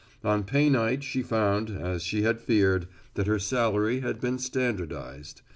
On pay night she found, as she had feared, that her salary had been standardized.